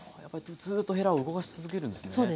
やっぱりずっとへらを動かし続けるんですね？